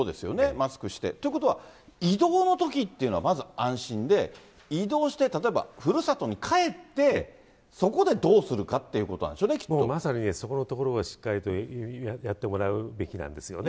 マスクして。ということは、移動のときっていうのはまず安心で、移動して、例えばふるさとに帰って、そこでどうするかっていうことなんでしょうね、もうまさにそこのところをしっかりとやってもらうべきなんですよね。